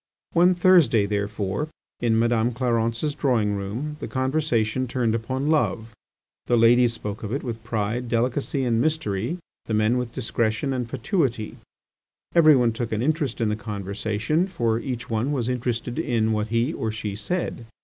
One Thursday therefore, in Madame Clarence's drawing room, the conversation turned upon love. The ladies spoke of it with pride, delicacy, and mystery, the men with discretion and fatuity; everyone took an interest in the conversation, for each one was interested in what he or she said.